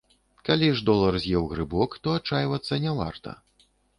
Калі ж долар з'еў грыбок, то адчайвацца не варта.